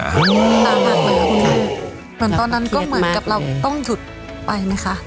เหมือนตอนนั้นก็เหมือนกับเราต้องหยุดไปไหมคะ